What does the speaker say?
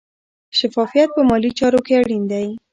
شفافیت په مالي چارو کې اړین دی.